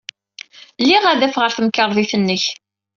Liɣ adaf ɣer temkarḍit-nnek.